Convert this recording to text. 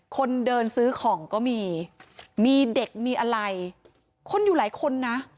คนเดินซื้อของก็มีมีเด็กมีอะไรคนอยู่หลายคนนะ